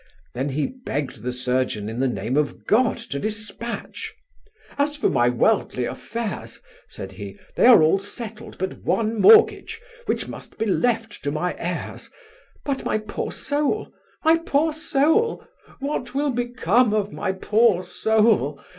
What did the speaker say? Then he begged the surgeon, in the name of God, to dispatch 'As for my worldly affairs (said he), they are all settled but one mortgage, which must be left to my heirs but my poor soul! my poor soul! what will become of my poor soul?